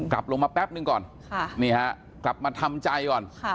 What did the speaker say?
กลับลงมาแป๊บนึงก่อนนี่ฮะกลับมาทำใจก่อน